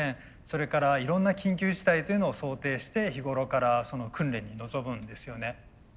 それからいろんな緊急事態というのを想定して日頃から訓練に臨むんですよね。